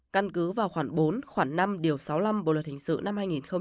căn cứ vào khoảng bốn khoảng năm điều sáu mươi năm bộ luật hình sự năm hai nghìn một mươi năm